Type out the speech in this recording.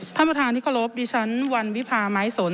ท่านประธานที่เคารพดิฉันวันวิพาไม้สน